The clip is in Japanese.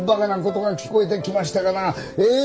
ええ？